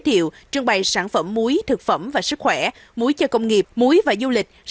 thiệu trưng bày sản phẩm muối thực phẩm và sức khỏe muối cho công nghiệp muối và du lịch